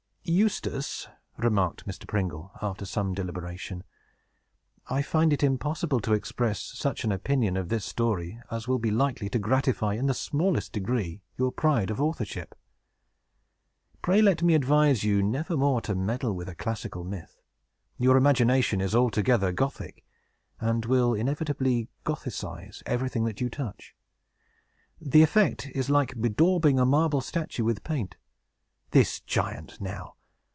"Eustace," remarked Mr. Pringle, after some deliberation, "I find it impossible to express such an opinion of this story as will be likely to gratify, in the smallest degree, your pride of authorship. Pray let me advise you never more to meddle with a classical myth. Your imagination is altogether Gothic, and will inevitably Gothicize everything that you touch. The effect is like bedaubing a marble statue with paint. This giant, now!